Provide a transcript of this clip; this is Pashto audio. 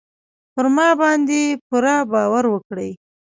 پر ما باندې پوره باور وکړئ.